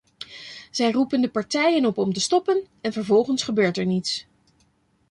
Zij roepen de partijen op om te stoppen en vervolgens gebeurt er niets.